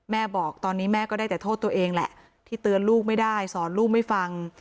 แม่บอกตอนนี้แม่ก็ได้แต่โทษตัวเองแหละที่เตือนลูกไม่ได้สอนลูกไม่ฟัง